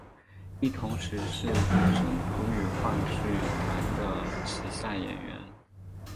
亦同时是土生土语话剧团的旗下演员。